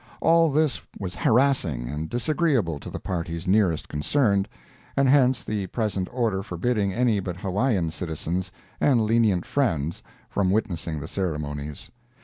All this was harassing and disagreeable to the parties nearest concerned, and hence the present order forbidding any but Hawaiian citizens and lenient friends from witnessing the ceremonies.